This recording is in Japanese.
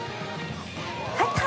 入った！